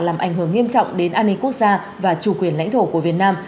làm ảnh hưởng nghiêm trọng đến an ninh quốc gia và chủ quyền lãnh thổ của việt nam